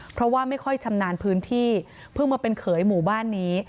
เพราะว่าไม่ค่อยชำนาญพื้นที่เพิ่งมาเป็นเขยหมู่บ้านนี้